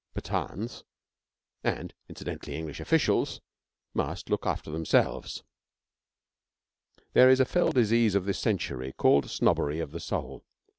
Pathans and, incidentally, English officials must look after themselves. There is a fell disease of this century called 'snobbery of the soul.'